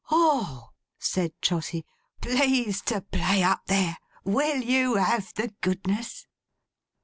'O!' said Trotty. 'Please to play up there. Will you have the goodness!